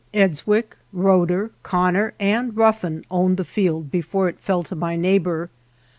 Edswick, Roeder, Connor, and Ruffin owned the field before it fell to my neigh bor.